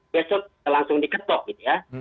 besok langsung diketok gitu ya